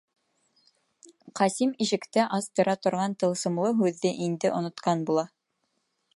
Ҡасим ишекте астыра торған тылсымлы һүҙҙе инде онотҡан була.